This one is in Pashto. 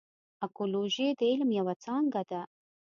اکولوژي د علم یوه څانګه ده.